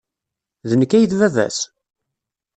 D nekk ay d baba-s?